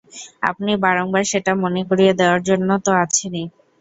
আপনি বারংবার সেটা মনে করিয়ে দেওয়ার জন্য তো আছেনই।